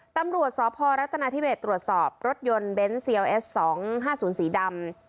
ตำรวจสอบพอรัฐนาทิเบตตรวจสอบรถยนต์เบนซ์เซียวเอสสองห้าศูนย์สีดำ